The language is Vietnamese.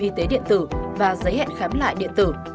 y tế điện tử và giấy hẹn khám lại điện tử